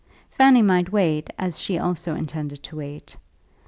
Fanny might wait as she also intended to wait.